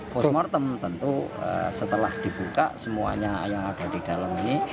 vote mortem tentu setelah dibuka semuanya yang ada di dalam ini